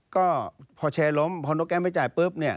ก็พอแชร์ล้มพอนกแก้มไม่จ่ายปุ๊บเนี่ย